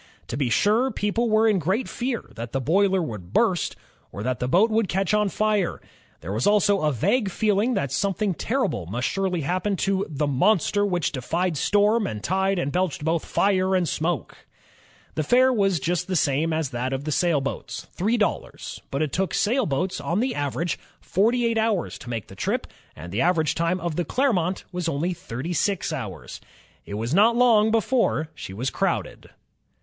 To be sure, people were in great fear that the boiler would burst, or that the boat would catch on fire. There was also a vague feeling that something terrible must surely happen to the "monster which defied storm and tide and belched forth fire andj smoke." ROBERT FULTON 47 The fare was just the same as that on the sailboats, three dollars, but it took sailboats, on the average, forty eight hours to make the trip, and the average time of the Clermont was only thirty six hours. It was not long be fore she was crowded.